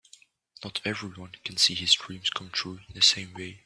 Not everyone can see his dreams come true in the same way.